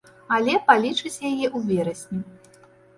Але палічыць яе ў верасні.